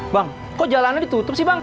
bang kok jalanannya ditutup sih bang